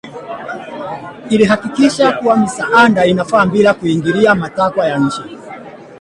Ilihakikisha kuwa misaada inafaa bila kuingilia matakwa ya nchi